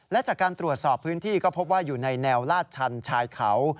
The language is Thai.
และจากการตรวจสอบพื้นที่ก็พบว่าอยู่ในแนวลาดชันชายเขา